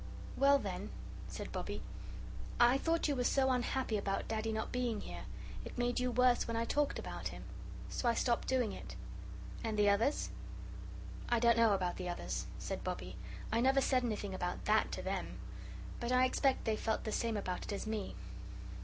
"Well, then," said Bobbie, "I thought you were so unhappy about Daddy not being here, it made you worse when I talked about him. So I stopped doing it." "And the others?" "I don't know about the others," said Bobbie. "I never said anything about THAT to them. But I expect they felt the same about it as me."